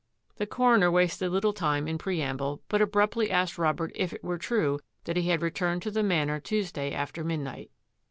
The coroner wasted little time in preamble, but abruptly asked Robert if it were true that he had returned to the Manor Tuesday after midnight.